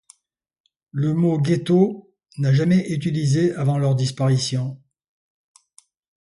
Le mot ghetto n’a jamais été utilisé avant leur disparition.